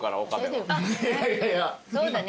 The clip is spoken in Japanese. そうだね